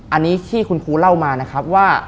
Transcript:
อันนี้ที่คุณครูเล่ามานะครับว่า